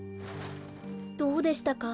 どうでしたか？